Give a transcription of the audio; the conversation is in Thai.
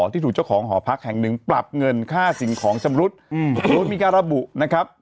ที่ถูกเจ้าของหอพักแห่งหนึ่งปรับเงินค่าสิ่งของชำรุดโดยมีการระบุนะครับ